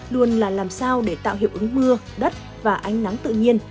luôn là làm sao để tạo hiệu ứng mưa đất và ánh nắng tự nhiên